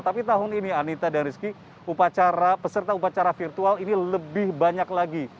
tapi tahun ini anita dan rizky peserta upacara virtual ini lebih banyak lagi